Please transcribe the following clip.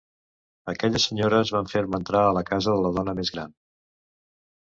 Aquelles senyores van fer-me entrar a la casa de la dona més gran.